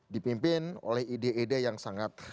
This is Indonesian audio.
dipimpin oleh ide ide yang sangat